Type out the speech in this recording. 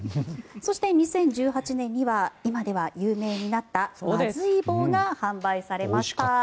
そして２０１８年には今では有名になったまずい棒が販売されました。